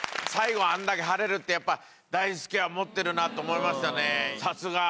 最後あんだけ晴れるってやっぱ大輔は持ってるなと思いましたね。